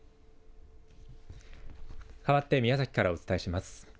かわって宮崎からお伝えします。